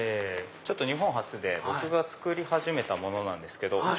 日本初で僕が作り始めたものなんですけど。